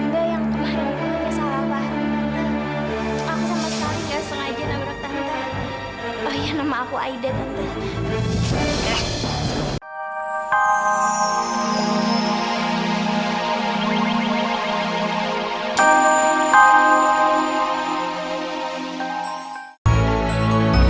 pak pak nggak yang teman yang paham yang salah pak